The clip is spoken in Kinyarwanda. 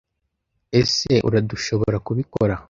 Ese Urdushoborakubikora.